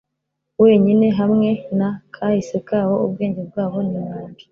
wenyine hamwe na kahise kabo, ubwenge bwabo ninyanja